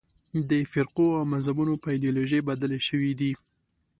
د فرقو او مذهبونو په ایدیالوژۍ بدلې شوې دي.